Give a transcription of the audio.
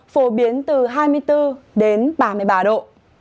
phổ biến từ hai mươi bốn đến ba mươi ba độ